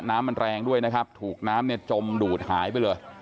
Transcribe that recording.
แรงด้วยนะครับถูกน้ำเนี่ยจมดูดหายไปเลย